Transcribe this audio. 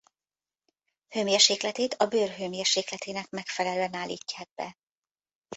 Hőmérsékletét a bőr hőmérsékletének megfelelően állítják be.